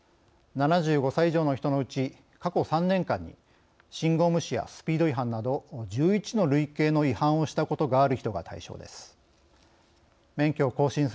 ７５歳以上の人のうち過去３年間に信号無視やスピード違反など１１の類型の違反をしたことがある人が対象です。